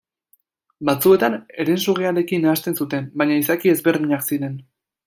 Batzuetan herensugearekin nahasten zuten, baina izaki ezberdinak ziren.